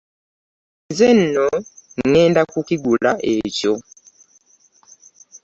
Nze nno ŋŋenda kukigula ekyo.